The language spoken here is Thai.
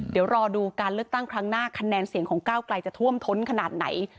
เดี๋ยวรอดูการเลือกตั้งครั้งหน้าคะแนนเสียงของก้าวไกลจะท่วมท้นขนาดไหน